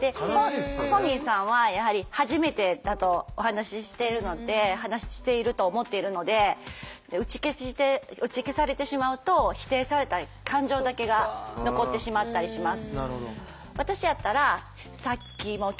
本人さんはやはり初めてだとお話ししてるので話していると思っているので打ち消されてしまうと否定された感情だけが残ってしまったりします。